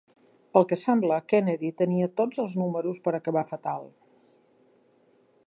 Pel que sembla, Kennedy tenia tots els números per acabar fatal.